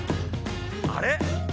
あれ？